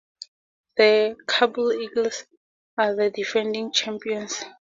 The Kabul Eagles are the defending champions.